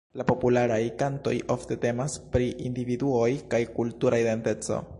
La popularaj kantoj ofte temas pri individuoj kaj kultura identeco.